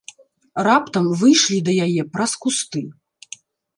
Раптам выйшлі да яе праз кусты.